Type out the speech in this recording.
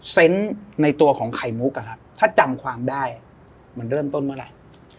ในตัวของไข่มุกถ้าจำความได้มันเริ่มต้นเมื่อไหร่